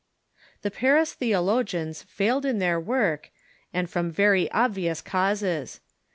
The Pans theologians failed in their work, and from very ob vious causes.